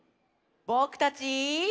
ぼくたち。